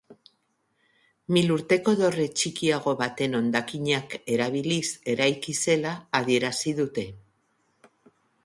Milurteko dorre txikiago baten hondakinak erabiliz eraiki zela adierazi dute.